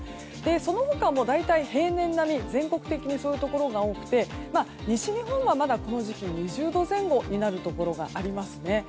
その他も、大体平年並み全国的にそういうところが多くて西日本は２０度前後になるところがありますね。